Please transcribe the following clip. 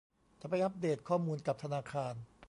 จะไปอัพเดทข้อมูลกับธนาคาร